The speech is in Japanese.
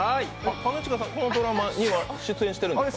兼近さん、このドラマには出演しているんですか？